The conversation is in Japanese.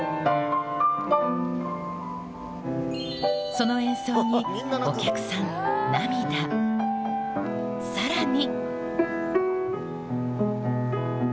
その演奏にお客さん涙さらに